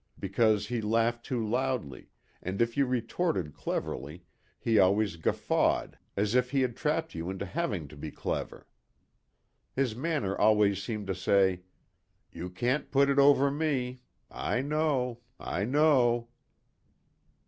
Because he laughed too loudly and if you retorted cleverly he always guffawed as if he had trapped you into having to be clever. His manner always seemed to say, "You can't put it over me. I know. I know...."